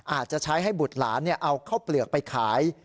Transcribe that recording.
อาจจะใช้ให้บุตรหลานเอาข้าวเปลือกไปขาย